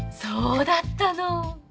そうだったの！